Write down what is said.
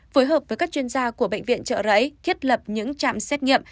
phối hợp với các chuyên gia của bệnh viện trợ rẫy thiết lập những trạm xét nghiệm